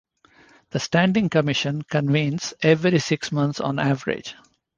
The Standing Commission convenes every six months on average.